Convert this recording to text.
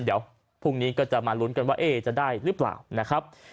เดี๋ยวพรุ่งนี้ก็จะมาลุ้นกันว่าจะได้หรือเปล่านะครับ